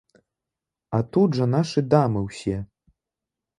А тут жа нашы дамы ўсе.